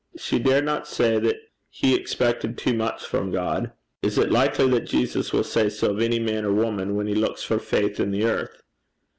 She dared not say that he expected too much from God. Is it likely that Jesus will say so of any man or woman when he looks for faith in the earth?